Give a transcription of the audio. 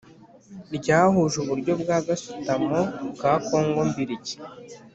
ryahuje uburyo bwa gasutamo bwa Kongo mbirigi